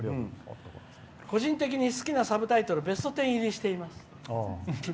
個人的に好きなサブタイトルベスト１０入りしています。